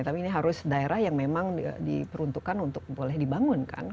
tapi ini harus daerah yang memang diperuntukkan untuk boleh dibangun kan